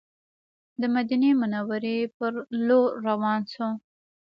د مدینې منورې پر لور روان شوو.